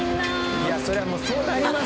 いやそりゃそうなりますって！